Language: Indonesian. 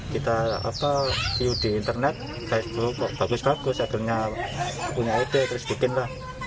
kita view di internet facebook kok bagus bagus akhirnya punya ide terus bikin lah